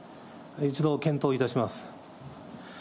一度検討いたします。